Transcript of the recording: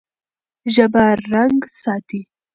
ژبه رنګ ساتي.